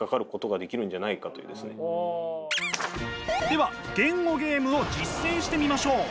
では言語ゲームを実践してみましょう！